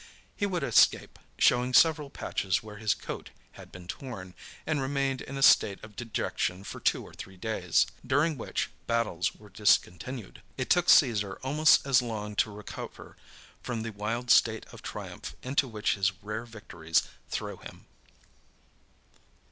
He would escape, showing several patches where his coat had been torn, and remained in a state of dejection for two or three days, during which battles were discontinued. It took Caesar almost as long to recover from the wild state of triumph into which his rare victories threw him.